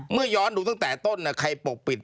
เมื่อย้อนดูตั้งแต่ต้นใครปกปิด